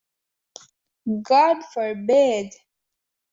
God forbid!